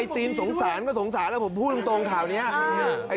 ซีนสงสารก็สงสารแล้วผมพูดตรงข่าวนี้